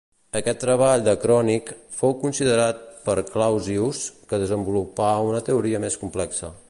Aquest treball de Krönig fou considerat per Clausius que desenvolupà una teoria més complexa.